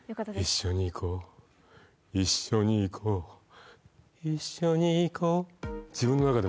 「一緒に行こう」「一緒に行こう」「一緒に行こう」